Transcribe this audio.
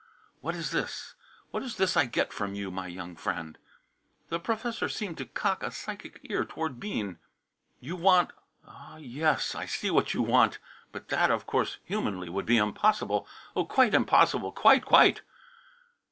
What is this? What is this I get from you, my young friend?" The professor seemed to cock a psychic ear toward Bean. "You want ah, yes, I see what you want, but that, of course, humanly, would be impossible. Oh, quite impossible, quite, quite!"